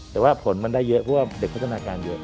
แต่ว่าผลมันได้เยอะเพราะว่าเด็กพัฒนาการเยอะ